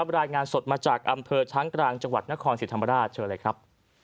รายงานสดมาจากอำเภอช้างกลางจังหวัดนครศรีธรรมราชเชิญเลยครับ